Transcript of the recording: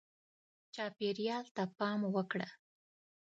چاپېریال ته پام وکړه.